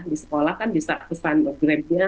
di sekolah kan bisa pesan programnya